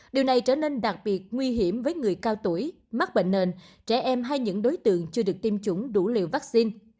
điều này trở nên đặc biệt nguy hiểm với người cao tuổi mắc bệnh nền trẻ em hay những đối tượng chưa được tiêm chủng đủ liều vaccine